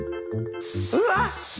うわっ！